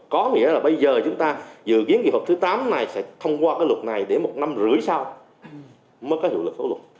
có nghĩa là bây giờ chúng ta dự kiến kỳ họp thứ tám này sẽ thông qua cái luật này để một năm rưỡi sau mới có hiệu lực pháp luật